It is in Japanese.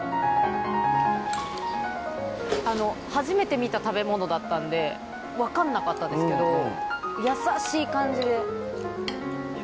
初めて見た食べ物だったんで分かんなかったですけどやさしい感じで。